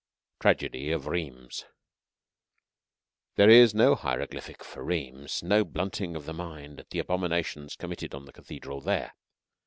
TRAGEDY OF RHEIMS But there is no hieroglyphic for Rheims, no blunting of the mind at the abominations committed on the cathedral there.